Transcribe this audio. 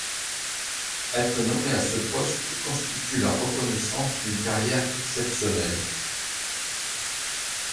Être nommé à ce poste constitue la reconnaissance d'une carrière exceptionnelle.